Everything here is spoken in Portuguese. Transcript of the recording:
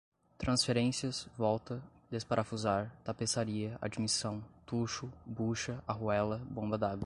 transferências, volta, desparafusar, tapeçaria, admissão, tucho, bucha, arruela, bomba d'água